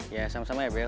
ya sama sama ya bel